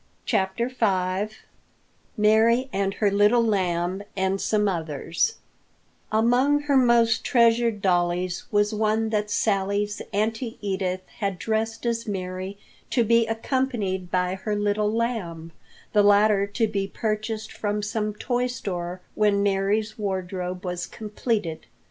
CHAPTER V MARY AND HER LITTLE LAMB AND SOME OTHERS AMONG her most treasured dollies was one that Sally's Auntie Edith had dressed as Mary to be accompanied by her little lamb, the latter to be purchased from some toy store when Mary's wardrobe was completed.